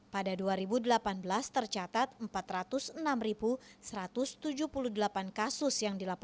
pada dua ribu delapan belas tercatat empat ratus enam satu ratus tujuh puluh delapan kasus